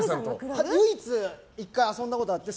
唯一１回遊んだことがあって。